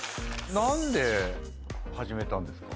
何で始めたんですか？